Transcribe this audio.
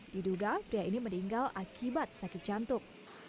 diduga pria ini meninggal akibat sakit jantung